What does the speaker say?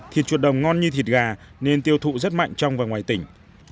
thịt chuột đồng ngon như thịt gà nên tiêu thụ rất mạnh trong và ngoài tỉnh